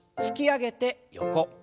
引き上げて横。